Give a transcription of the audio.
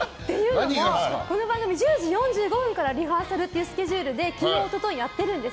この番組、１０時４５分からリハーサルというスケジュールで昨日、一昨日やってるんです。